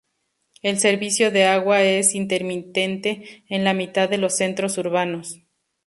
El servicio de agua es intermitente en la mitad de los centros urbanos.